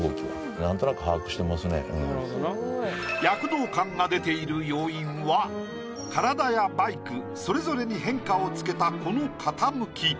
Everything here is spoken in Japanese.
躍動感が出ている要因は体やバイクそれぞれに変化をつけたこの傾き。